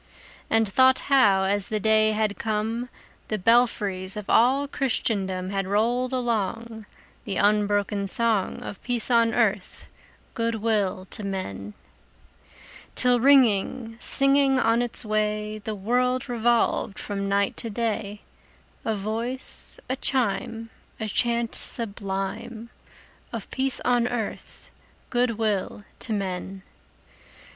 And thought how, as the day had come, The belfries of all Christendom Had rolled along The unbroken song Of peace on earth, good will to men! Till, ringing, singing on its way, The world revolved from night to day, A voice, a chime, A chant sublime Of peace on earth, good will to men!